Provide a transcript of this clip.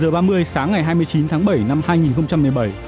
một mươi h ba mươi sáng ngày hai mươi chín tháng bảy năm hai nghìn một mươi bảy